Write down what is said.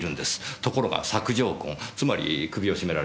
ところが索状痕つまり首を絞められた跡です。